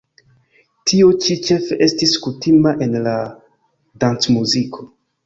Tio ĉi ĉefe estis kutima en la dancmuziko.